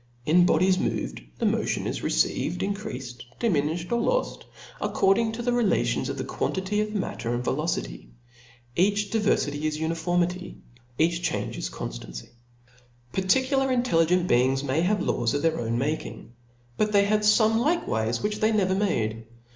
In bodies moved, the motion is received, increafed, diminiflied, loft, according to the relations of the quantify of matter and velocity ; each diverfity is uniformity J each change is conjlancy. I'articular intelligent beings may have laws of . their own making, but they have fome likewife which they never made.